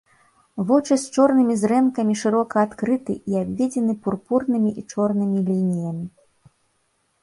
Вочы з чорнымі зрэнкамі шырока адкрыты і абведзены пурпурнымі і чорнымі лініямі.